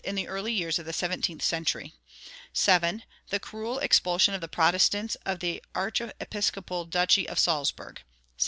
in the early years of the seventeenth century; (7) the cruel expulsion of the Protestants of the archiepiscopal duchy of Salzburg (1731).